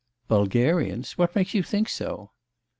'Bulgarians! what makes you think so?